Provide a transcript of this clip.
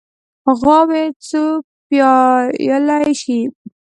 غواوې خو پيايلی شي.